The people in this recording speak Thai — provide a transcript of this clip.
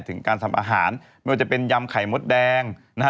ถึงการทำอาหารไม่ว่าจะเป็นยำไข่มดแดงนะฮะ